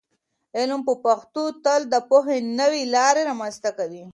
علم په پښتو تل د پوهې نوې لارې رامنځته کوي.